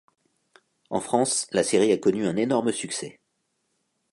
En France, la série a connu un énorme succès.